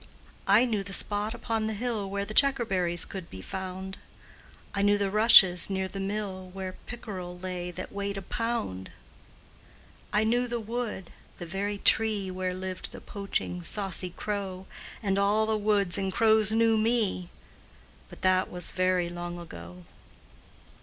I knew the spot upon the hill Where checkerberries could be found, I knew the rushes near the mill Where pickerel lay that weighed a pound! I knew the wood, the very tree Where lived the poaching, saucy crow, And all the woods and crows knew me But that was very long ago.